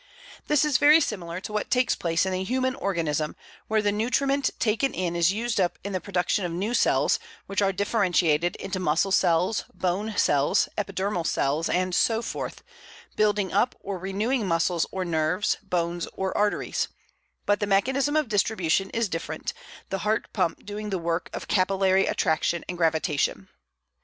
This is very similar to what takes place in the human organism, where the nutriment taken in is used up in the production of new cells, which are differentiated into muscle cells, bone cells, epidermal cells, and so forth, building up or renewing muscles or nerves, bones or arteries; but the mechanism of distribution is different, the heart pump doing the work of capillary attraction and gravitation.